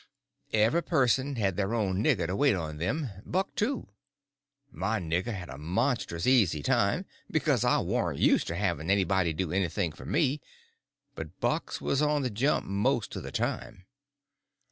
Each person had their own nigger to wait on them—Buck too. My nigger had a monstrous easy time, because I warn't used to having anybody do anything for me, but Buck's was on the jump most of the time.